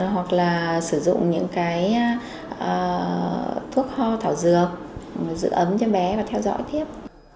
hoặc sử dụng những thuốc ho thảo dược giữ ấm cho bé và theo dõi tiếp